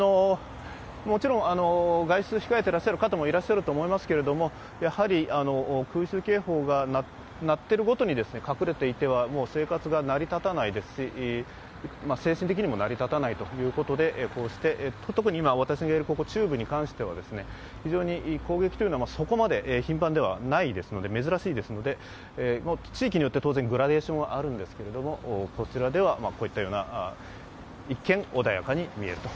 もちろん、外出を控えていらっしゃる方もいらっしゃると思いますけど空襲警報が鳴っているごとに隠れていては生活が成り立たないですし精神的にも成り立たないということでこうして、特に私が今いる、ここ中部に関しては攻撃はそこまで頻繁ではないですので、珍しいですので、地域によってもちろんグラデーションはあるんですけどこちらではこういったような、一見、穏やかに見えると。